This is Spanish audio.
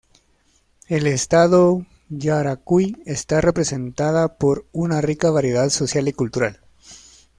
El estado Yaracuy está representada por una rica variedad social y cultural.